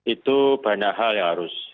itu banyak hal yang harus